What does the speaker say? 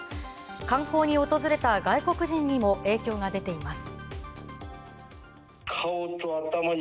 観光に訪れた外国人にも影響が出ています。